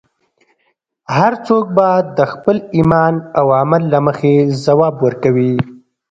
هر څوک به د خپل ایمان او عمل له مخې ځواب ورکوي.